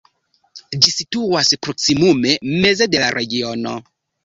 Ĝi situas proksimume meze de la regiono.